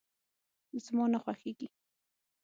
زما نه خوښيږي.